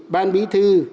ban bí thư